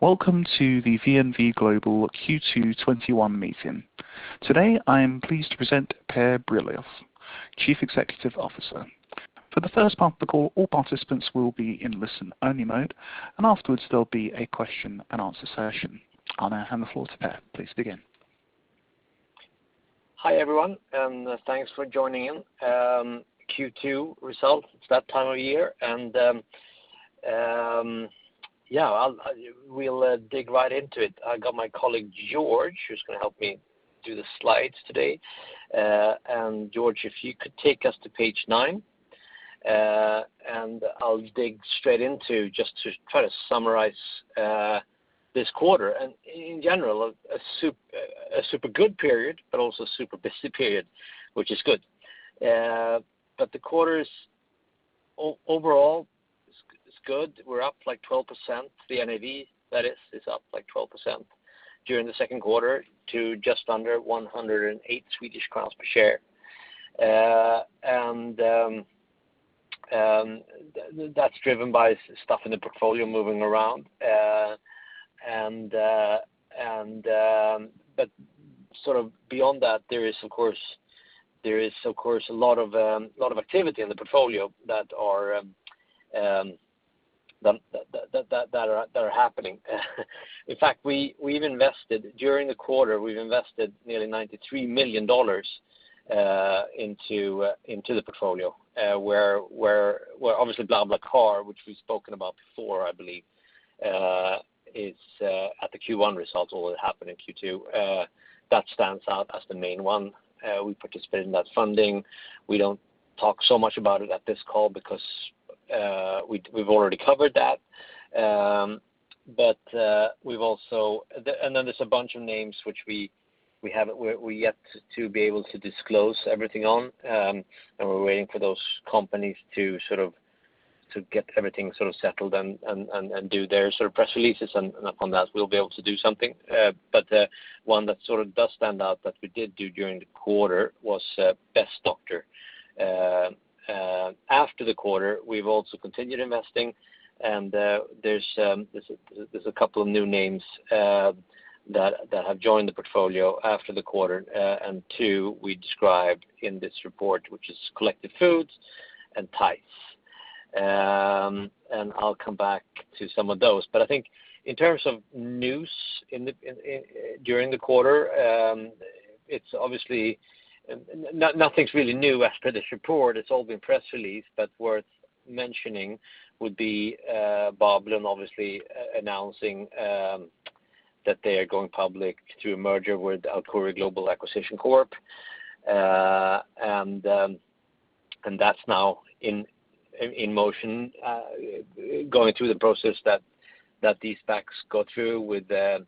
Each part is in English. Welcome to the VNV Global Q2 2021 meeting. Today, I am pleased to present Per Brilioth, Chief Executive Officer. For the first part of the call, all participants will be in listen-only mode. Afterwards, there'll be a question and answer session. I now hand the floor to Per. Please begin. Hi, everyone. Thanks for joining in. Q2 results, it's that time of year. We'll dig right into it. I got my colleague George, who's going to help me do the slides today. George, if you could take us to page 9. I'll dig straight into just to try to summarize this quarter. In general, a super good period, but also super busy period, which is good. The quarter is overall good. We're up like 12%, the NAV, that is up like 12% during the second quarter to just under 108 Swedish crowns per share. That's driven by stuff in the portfolio moving around. Sort of beyond that, there is, of course, a lot of activity in the portfolio that are happening. In fact, during the quarter, we've invested nearly $93 million into the portfolio where obviously BlaBlaCar, which we've spoken about before, I believe, at the Q1 results, although it happened in Q2, that stands out as the main one. We participated in that funding. We don't talk so much about it at this call because we've already covered that. Then there's a bunch of names which we're yet to be able to disclose everything on, and we're waiting for those companies to get everything settled and do their press releases, and upon that, we'll be able to do something. One that sort of does stand out that we did do during the quarter was BestDoctor. After the quarter, we've also continued investing, and there's a couple of new names that have joined the portfolio after the quarter. Two we described in this report, which is Collectiv Food and Tise. I'll come back to some of those. I think in terms of news during the quarter, nothing's really new as per this report. It's all been press released, but worth mentioning would be Babylon obviously announcing that they are going public through a merger with Alkuri Global Acquisition Corp. That's now in motion, going through the process that these SPACs go through with the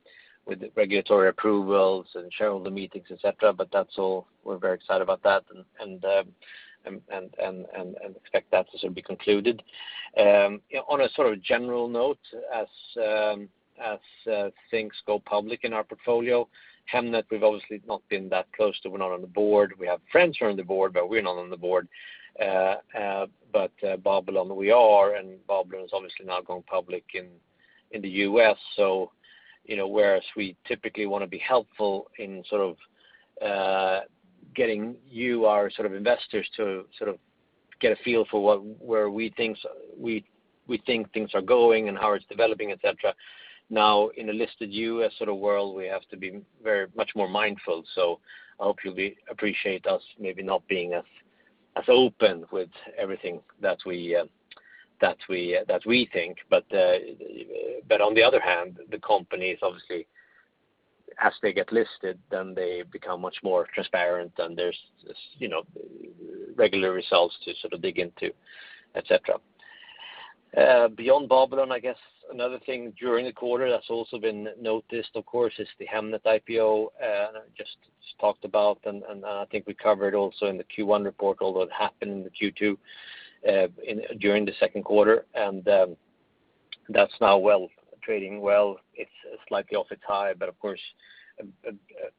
regulatory approvals and shareholder meetings, et cetera, but that's all. We're very excited about that and expect that to soon be concluded. On a sort of general note, as things go public in our portfolio, Hemnet we've obviously not been that close to. We're not on the board. We have friends who are on the board, but we're not on the board. Babylon we are, and Babylon is obviously now going public in the U.S., so whereas we typically want to be helpful in sort of getting you, our investors, to get a feel for where we think things are going and how it's developing, et cetera. Now in a listed U.S. sort of world, we have to be very much more mindful. I hope you'll appreciate us maybe not being as open with everything that we think. On the other hand, the companies, obviously as they get listed, then they become much more transparent, and there's regular results to dig into, et cetera. Beyond Babylon, I guess another thing during the quarter that's also been noticed, of course, is the Hemnet IPO, just talked about. I think we covered also in the Q1 report, although it happened in the Q2 during the second quarter, and that's now trading well. It's slightly off its high, but of course,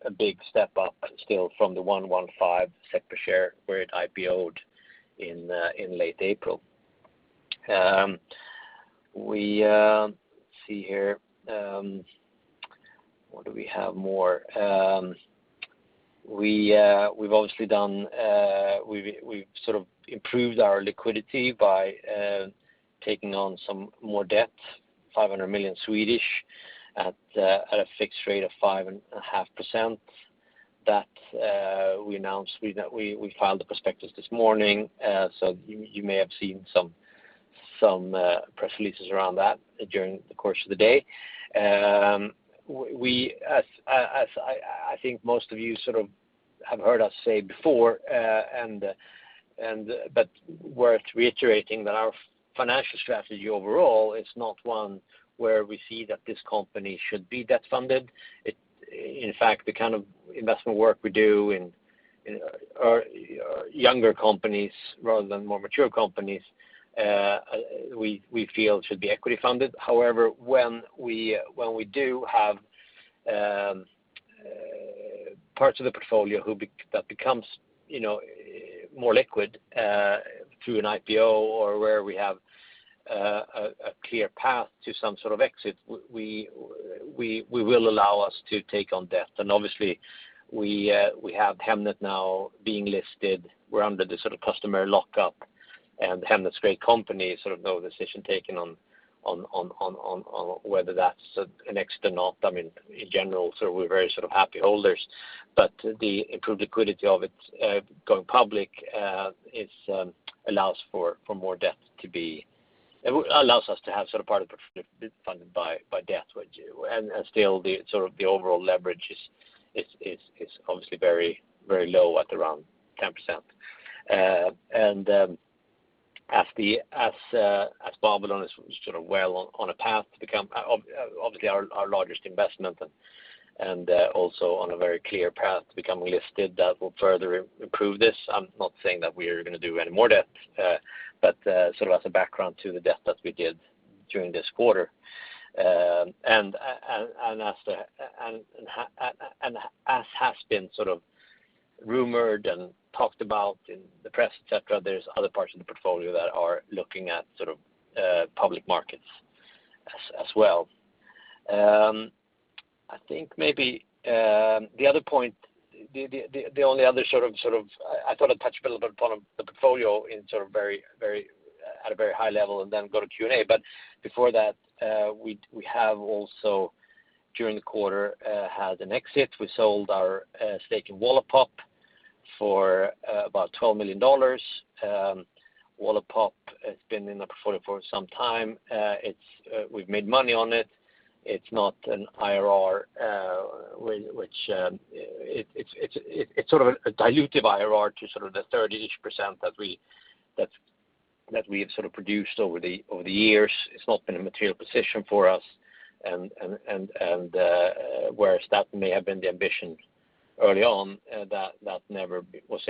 a big step up still from the 115 per share where it IPO'd in late April. Let's see here. What do we have more? We've sort of improved our liquidity by taking on some more debt, 500 million at a fixed rate of 5.5% that we announced. We filed the prospectus this morning, you may have seen some press releases around that during the course of the day. As I think most of you have heard us say before, but worth reiterating, that our financial strategy overall is not one where we see that this company should be debt-funded. In fact, the kind of investment work we do in our younger companies rather than more mature companies we feel should be equity funded. However, when we do have parts of the portfolio that becomes more liquid through an IPO or where we have a clear path to some sort of exit, we will allow us to take on debt. Obviously we have Hemnet now being listed. We're under the sort of customary lockup and Hemnet's a great company, no decision taken on whether that's an exit or not. In general, we're very happy holders, but the improved liquidity of it going public allows us to have part of the portfolio funded by debt. Still the overall leverage is obviously very low at around 10%. As Babylon is well on a path to become obviously our largest investment and also on a very clear path to becoming listed, that will further improve this. I'm not saying that we are going to do any more debt, as a background to the debt that we did during this quarter. As has been rumored and talked about in the press, et cetera, there's other parts of the portfolio that are looking at public markets as well. I thought I'd touch a little bit upon the portfolio at a very high level and then go to Q&A. Before that, we have also during the quarter had an exit. We sold our stake in Wallapop for about $12 million. Wallapop has been in the portfolio for some time. We've made money on it. It's a dilutive IRR to the 30-ish% that we have produced over the years. It's not been a material position for us and whereas that may have been the ambition early on, that never was,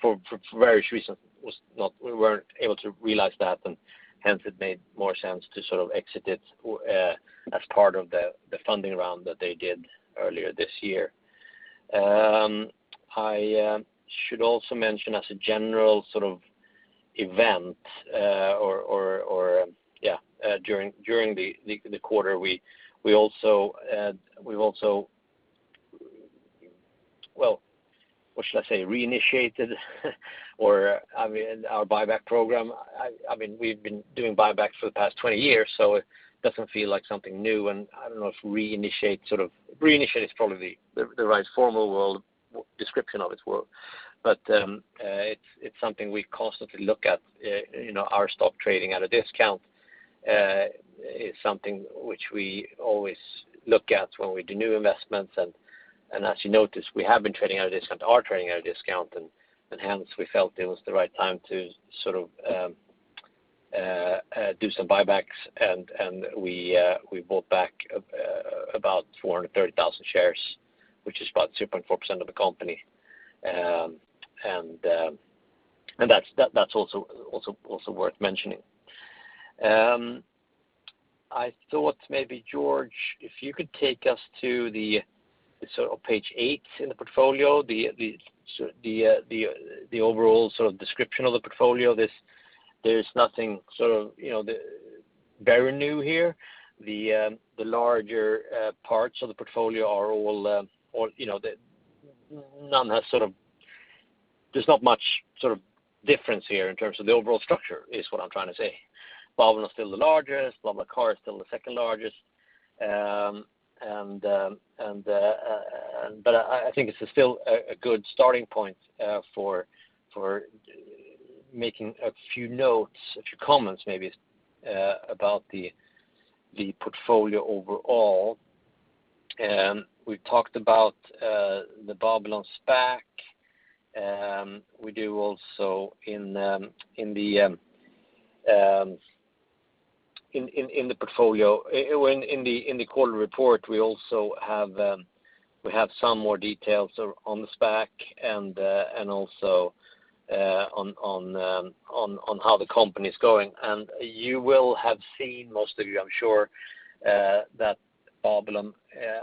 for various reasons, we weren't able to realize that and hence it made more sense to exit it as part of the funding round that they did earlier this year. I should also mention as a general event during the quarter, we've also, well, what should I say, reinitiated our buyback program. We've been doing buybacks for the past 20 years, so it doesn't feel like something new, and I don't know if reinitiate is probably the right formal description of it. It's something we constantly look at. Our stock trading at a discount is something which we always look at when we do new investments. As you notice, we have been trading at a discount, are trading at a discount, and hence we felt it was the right time to do some buybacks and we bought back about 430,000 shares, which is about 2.4% of the company. That's also worth mentioning. I thought maybe George, if you could take us to page 8 in the portfolio, the overall description of the portfolio. There's nothing very new here. The larger parts of the portfolio, there's not much difference here in terms of the overall structure is what I'm trying to say. Babylon is still the largest, BlaBlaCar is still the second largest. I think it's still a good starting point for making a few notes, a few comments maybe about the portfolio overall. We talked about the Babylon SPAC. In the quarter report, we also have some more details on the SPAC and also on how the company's going. You will have seen, most of you I'm sure that Babylon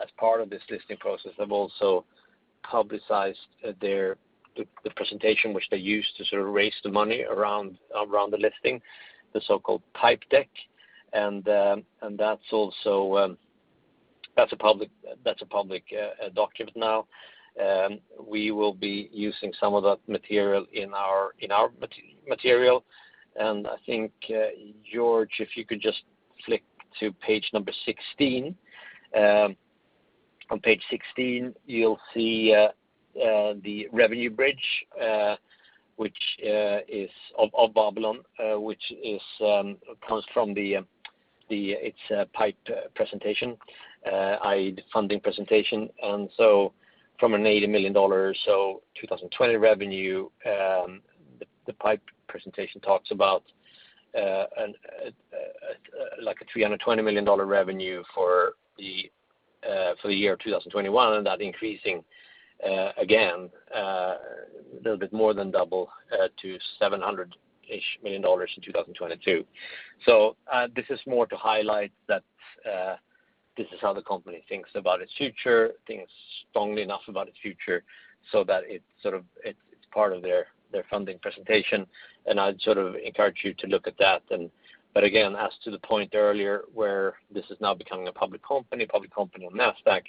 as part of this listing process have also publicized the presentation which they used to raise the money around the listing, the so-called PIPE deck. That's a public document now. We will be using some of that material in our material, and I think George, if you could just flick to page number 16. On page 16, you'll see the revenue bridge of Babylon which comes from its PIPE presentation, i.e., the funding presentation. From an SEK 80 million or so 2020 revenue, the PIPE presentation talks about like a SEK 320 million revenue for the year 2021, and that increasing again a little bit more than double to SEK 700 million in 2022. This is more to highlight that this is how the company thinks about its future, thinks strongly enough about its future so that it's part of their funding presentation, and I'd encourage you to look at that. Again, as to the point earlier, where this is now becoming a public company on NASDAQ,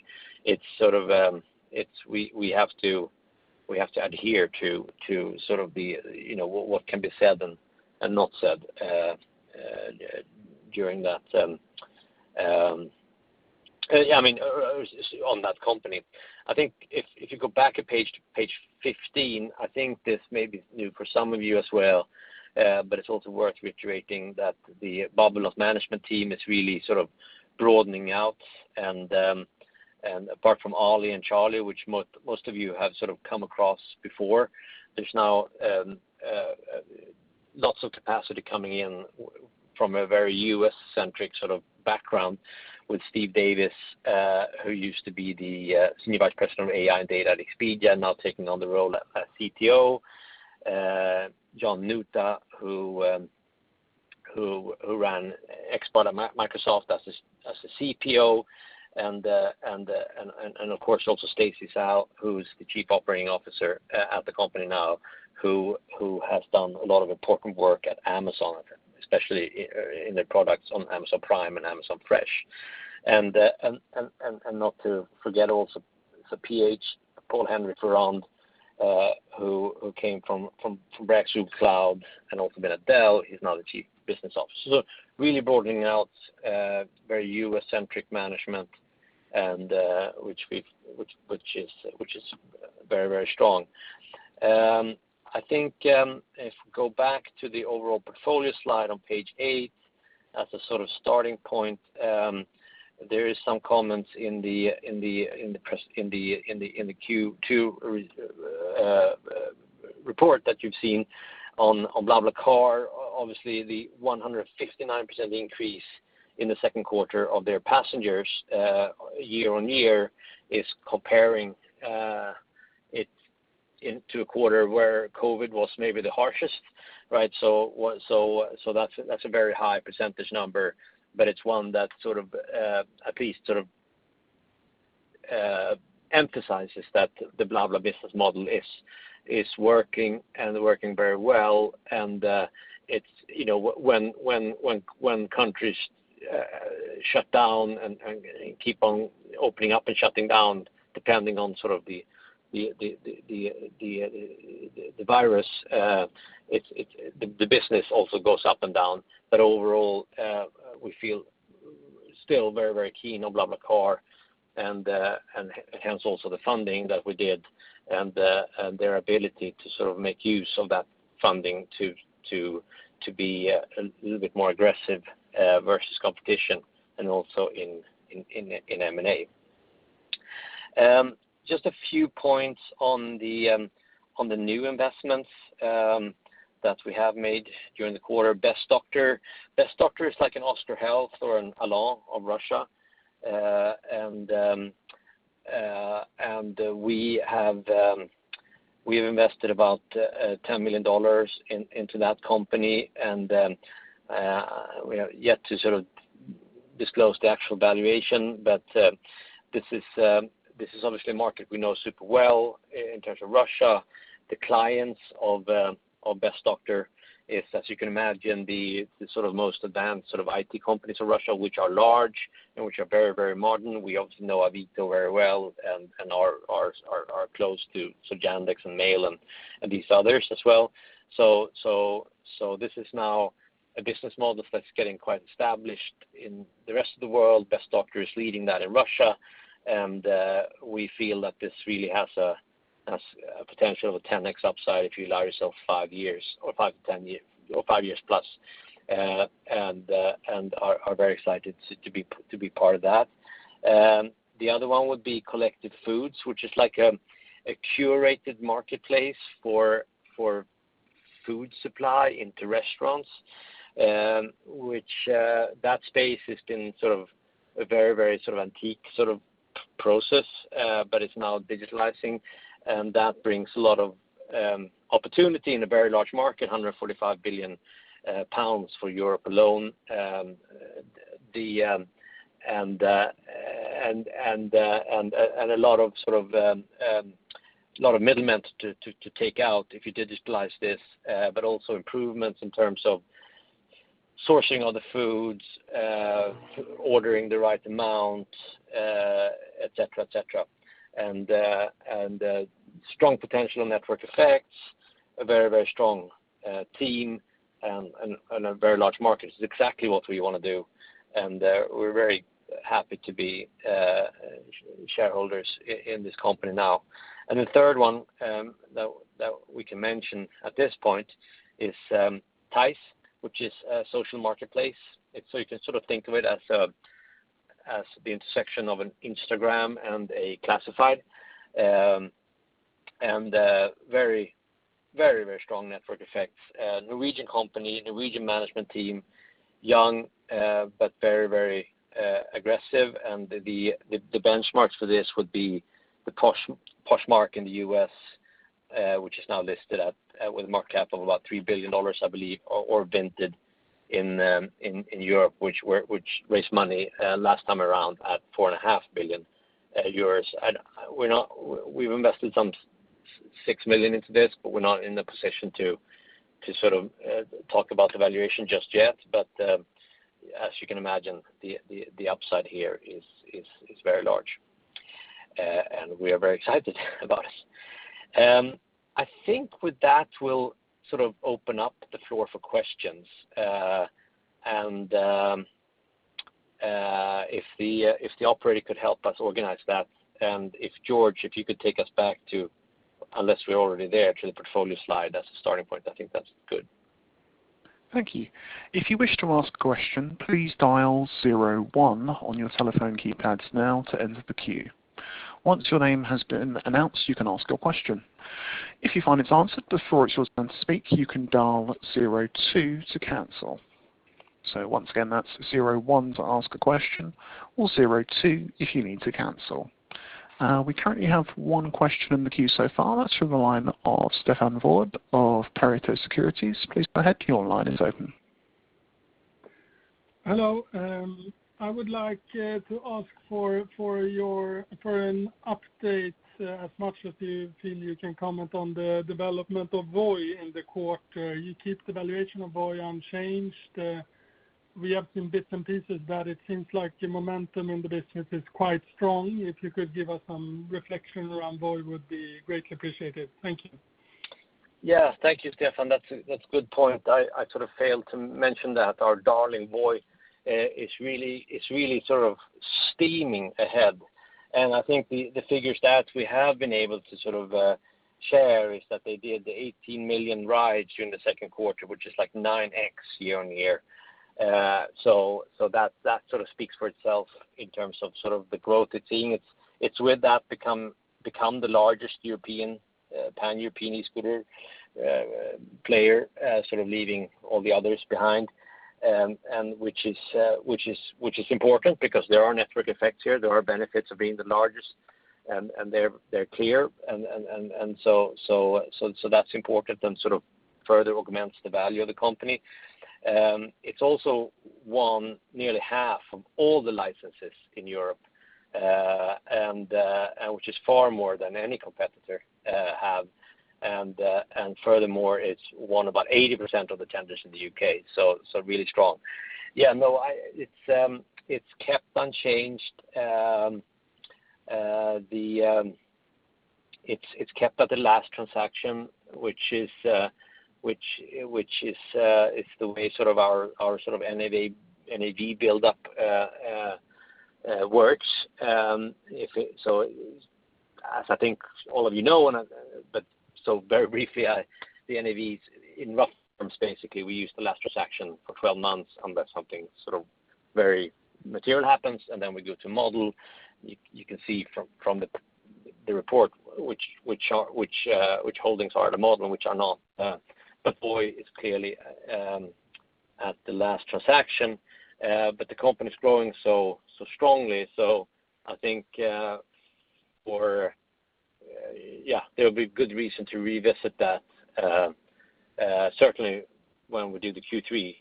we have to adhere to what can be said and not said during that on that company. I think if you go back a page to page 15, I think this may be new for some of you as well, but it's also worth reiterating that the BlaBlaCar's management team is really broadening out and apart from Ali and Charlie, which most of you have come across before, there's now lots of capacity coming in from a very U.S.-centric background with Steve Davis, who used to be the Senior Vice President of AI and Data at Expedia, now taking on the role as CTO. John Nutte, who ran Expert at Microsoft as the CPO, and of course, also Stacy Saal, who's the Chief Operating Officer at the company now, who has done a lot of important work at Amazon, especially in their products on Amazon Prime and Amazon Fresh. Not to forget also, P.H., Paul-Henri Ferrand, who came from Rackspace and also been at Dell. He's now the Chief Business Officer. Really broadening out very U.S.-centric management which is very strong. I think if we go back to the overall portfolio slide on page 8 as a starting point, there is some comments in the Q2 report that you've seen on BlaBlaCar. Obviously, the 159% increase in the second quarter of their passengers year-over-year is comparing it into a quarter where COVID was maybe the harshest. That's a very high % number, but it's one that at least emphasizes that the BlaBla business model is working and working very well. When countries shut down and keep on opening up and shutting down, depending on the virus, the business also goes up and down. Overall, we feel still very keen on BlaBlaCar, and hence also the funding that we did and their ability to make use of that funding to be a little bit more aggressive versus competition and also in M&A. Just a few points on the new investments that we have made during the quarter. BestDoctor is like an Oscar Health or an Alan of Russia. We have invested about $10 million into that company, and we are yet to disclose the actual valuation. This is obviously a market we know super well in terms of Russia. The clients of BestDoctor is, as you can imagine, the most advanced IT companies in Russia, which are large and which are very modern. We also know Avito very well and are close to Yandex and Mail and these others as well. This is now a business model that's getting quite established in the rest of the world. BestDoctor is leading that in Russia, and we feel that this really has a potential of a 10x upside if you allow yourself 5 years or 5 years+, and are very excited to be part of that. The other one would be Collectiv Food, which is like a curated marketplace for food supply into restaurants, which that space has been a very antique sort of process, but it's now digitalizing, and that brings a lot of opportunity in a very large market, 145 billion pounds for Europe alone. A lot of middlemen to take out if you digitalize this, but also improvements in terms of sourcing all the foods, ordering the right amount et cetera, and strong potential network effects, a very strong team, and a very large market. This is exactly what we want to do, and we're very happy to be shareholders in this company now. The third one that we can mention at this point is Tise, which is a social marketplace. You can think of it as the intersection of an Instagram and a classified, and very, very strong network effects. Norwegian company, Norwegian management team, young but very, very aggressive. The benchmarks for this would be the Poshmark in the U.S. which is now listed with a market cap of about $3 billion, I believe, or Vinted in Europe, which raised money last time around at four and a half billion euros. We've invested some 6 million into this, but we're not in the position to talk about the valuation just yet. As you can imagine, the upside here is very large, and we are very excited about it. I think with that, we'll open up the floor for questions. If the operator could help us organize that, George, if you could take us back to, unless we're already there, to the portfolio slide as a starting point, I think that's good. Thank you. If you wish to ask a question, please dial 01 on your telephone keypads now to enter the queue. Once your name has been announced, you can ask your question. If you find it's answered before it's your turn to speak, you can dial 02 to cancel. Once again, that's 01 to ask a question or 02 if you need to cancel. We currently have 1 question in the queue so far. That's from the line of Stefan Wård of Pareto Securities. Please go ahead. Your line is open. Hello. I would like to ask for an update as much as you feel you can comment on the development of Voi in the quarter. You keep the valuation of Voi unchanged. We have seen bits and pieces that it seems like the momentum in the business is quite strong. If you could give us some reflection around Voi would be greatly appreciated. Thank you. Yeah. Thank you, Stefan. That's a good point. I failed to mention that our darling Voi is really steaming ahead. I think the figure stats we have been able to share is that they did 18 million rides during the second quarter, which is like 9x year-over-year. That sort of speaks for itself in terms of the growth it's seeing. It's with that become the largest pan-European e-scooter player, leaving all the others behind, which is important because there are network effects here. There are benefits of being the largest, and they're clear, and so that's important and further augments the value of the company. It's also won nearly half of all the licenses in Europe, which is far more than any competitor have. Furthermore, it's won about 80% of the tenders in the U.K., so really strong. Yeah, no, it's kept unchanged. It's kept at the last transaction, which is the way our sort of NAV build-up works. As I think all of you know, very briefly, the NAVs in rough terms, basically, we use the last transaction for 12 months unless something very material happens, and then we go to model. You can see from the report which holdings are in the model and which are not. Voi is clearly at the last transaction. The company's growing so strongly, I think there'll be good reason to revisit that certainly when we do the Q3,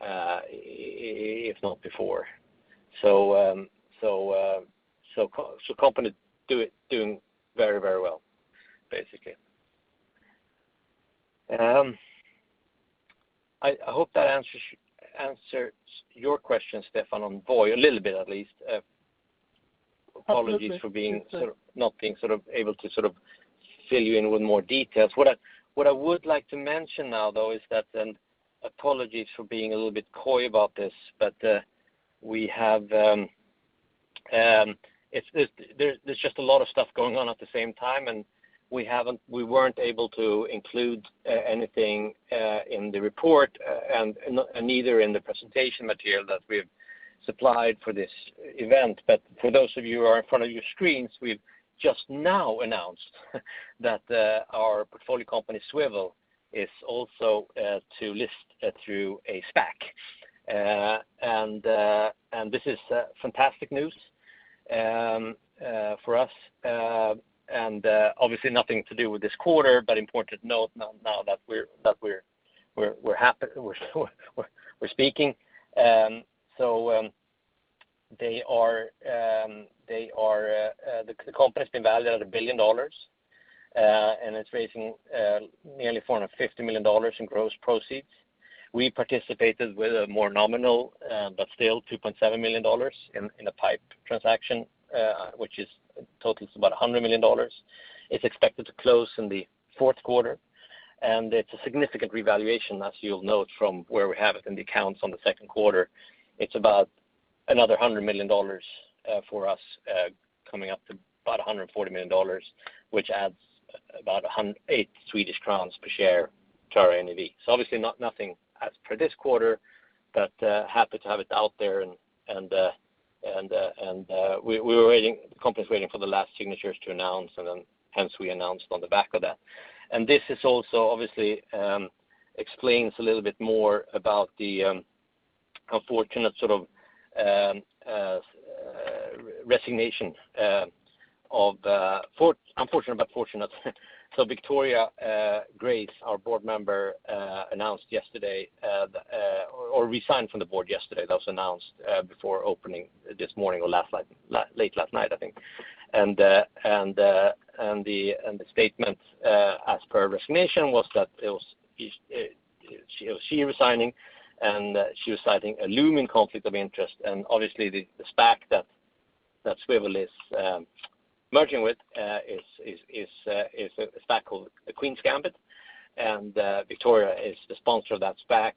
if not before. Company doing very, very well, basically. I hope that answers your question, Stefan, on Voi, a little bit, at least. Apologies for not being able to fill you in with more details. What I would like to mention now, though, is that, and apologies for being a little bit coy about this, but there's just a lot of stuff going on at the same time, and we weren't able to include anything in the report and neither in the presentation material that we've supplied for this event. For those of you who are in front of your screens, we've just now announced that our portfolio company, Swvl, is also to list through a SPAC. This is fantastic news for us, and obviously nothing to do with this quarter, but important to note now that we're speaking. The company's been valued at $1 billion, and it's raising nearly $450 million in gross proceeds. We participated with a more nominal, but still $2.7 million in a PIPE transaction, which totals about $100 million. It's expected to close in the fourth quarter, and it's a significant revaluation, as you'll note, from where we have it in the accounts on the second quarter. It's about another $100 million for us, coming up to about $140 million, which adds about 108 Swedish crowns per share to our NAV. Obviously nothing as per this quarter, but happy to have it out there and the company's waiting for the last signatures to announce, and then hence we announced on the back of that. This also obviously explains a little bit more about the unfortunate resignation, unfortunate, but fortunate. Victoria Grace, our board member, resigned from the board yesterday. That was announced before opening this morning or late last night, I think. The statement as per resignation was that she was resigning, and she was citing a looming conflict of interest. Obviously the SPAC that Swvl is merging with is a SPAC called The Queen's Gambit, and Victoria is the sponsor of that SPAC.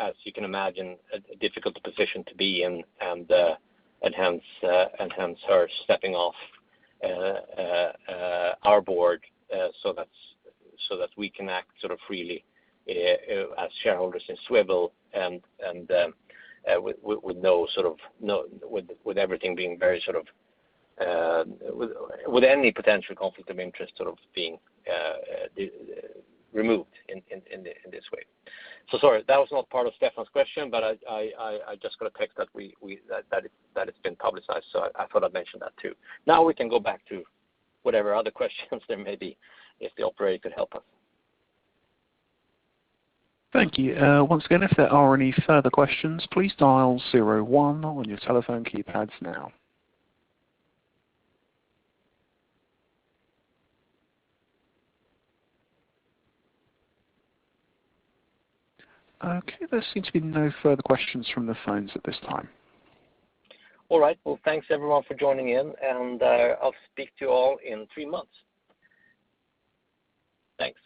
As you can imagine, a difficult position to be in, and hence her stepping off our board so that we can act freely as shareholders in Swvl and with any potential conflict of interest being removed in this way. Sorry, that was not part of Stefan's question, but I just got a text that it's been publicized, so I thought I'd mention that, too. We can go back to whatever other questions there may be, if the operator could help us. Thank you. Once again, if there are any further questions, please dial 01 on your telephone keypads now. Okay, there seem to be no further questions from the phones at this time. All right. Well, thanks everyone for joining in. I'll speak to you all in 3 months. Thanks.